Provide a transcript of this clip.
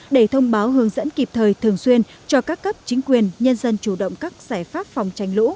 để thông báo hướng dẫn kịp thời thường xuyên cho các cấp chính quyền nhân dân chủ động các giải pháp phòng tránh lũ